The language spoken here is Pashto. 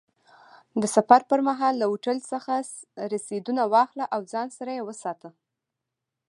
د سفر پر مهال له هوټل څخه رسیدونه واخله او ځان سره یې وساته.